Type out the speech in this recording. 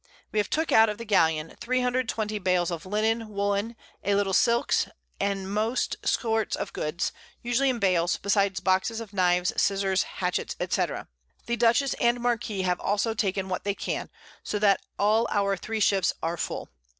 We have took out of the Galleon 320 Bails of Linnen, Woolen, a little Silks, and most Sorts of Goods, usually in Bails, besides Boxes of Knives, Scizzars, Hatchets, &c. The Dutchess and Marquiss have also taken what they can; so that all our 3 Ships are full.